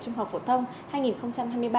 trung học phổ thông hai nghìn hai mươi ba